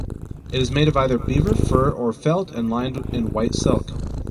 It is made of either beaver fur or felt, and lined in white silk.